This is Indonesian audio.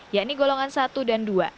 yakni golongan satu dan dua